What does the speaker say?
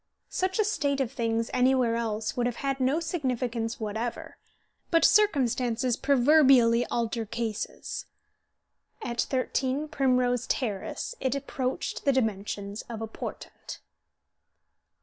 Such a state of things anywhere else would have had no significance whatever; but circumstances proverbially alter cases. At 13 Primrose Terrace it approached the dimensions of a portent.